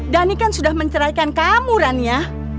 dhani kan sudah menceraikan kamu rania